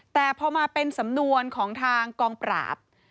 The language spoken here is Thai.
แต่พอมาเป็นสำนวนของทางกองปราบ